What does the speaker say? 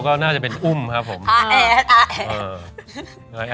ก็เป็นหนึ่งใน